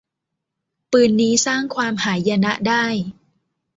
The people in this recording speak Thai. ปืนนี้สร้างความหายนะได้